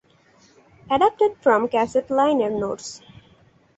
Adapted from cassette liner notes.